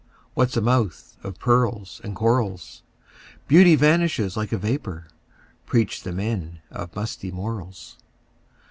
What 's a mouth of pearls and corals? Beauty vanishes like a vapor, Preach the men of musty morals!